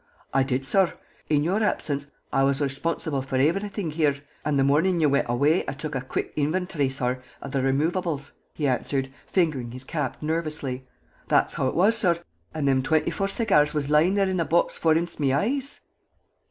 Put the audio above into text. "I did, sorr. In your absence I was responsible for everyt'ing here, and the mornin' ye wint awaa I took a quick invintery, sorr, of the removables," he answered, fingering his cap nervously. "That's how it was, sorr, and thim twinty foor segyars was lyin' there in the box forninst me eyes."